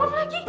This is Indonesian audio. aduh aduh aduh